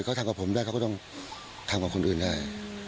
เขาทำกับผมได้เขาก็ต้องทำกับคนอื่นได้